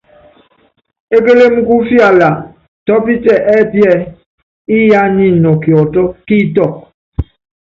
Ékélém kú ifiala tɔ́pítɛ ɛ́pí ɛ́ɛ : Iyá nyɛ nɔ kiɔtɔ́ kí itɔ́k.